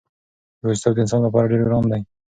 یوازېتوب د انسان لپاره ډېر ګران دی.